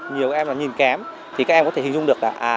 nếu các em nhìn kém thì các em có thể hình dung được là